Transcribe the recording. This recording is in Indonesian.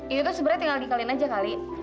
itu sebenernya tinggal dikelin aja kali